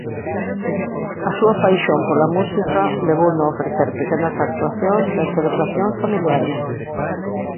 A súa paixón pola música levouno a ofrecer pequenas actuacións en celebracións familiares.